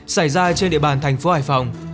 xảy ra trên địa bàn thành phố hải phòng